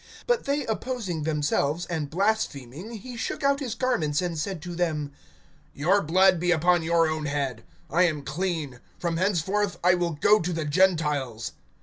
(6)But they opposing themselves and blaspheming, he shook out his garments and said to them: Your blood be upon your own head; I am clean; from henceforth I will go to the Gentiles.